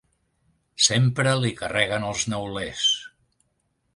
Sempre li carreguen els neulers.